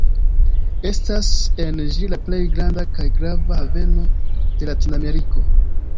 Estas en ĝi la plej granda kaj grava haveno de Latinameriko.